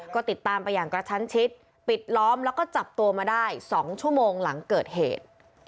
ก็ติดตามไปอย่างกระชั้นชิดปิดล้อมแล้วก็จับตัวมาได้๒ชั่วโมงหลังเกิดเหตุ